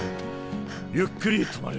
ゆっくり止まる。